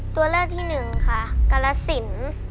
ตัวเลือกที่หนึ่งค่ะกรสิน